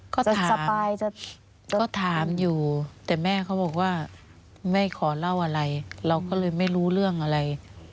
สบายจะก็ถามอยู่แต่แม่เขาบอกว่าไม่ขอเล่าอะไรเราก็เลยไม่รู้เรื่องอะไร